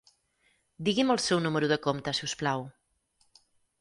Digui'm el seu número de compte si us plau.